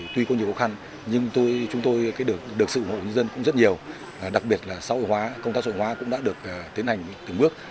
tuy có nhiều khó khăn nhưng chúng tôi được sự ủng hộ người dân cũng rất nhiều đặc biệt là xã hội hóa công tác số hóa cũng đã được tiến hành từng bước